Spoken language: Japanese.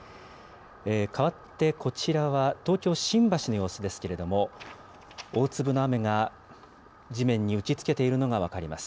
変わってこちらは、東京・新橋の様子ですけれども、大粒の雨が地面に打ちつけているのが分かります。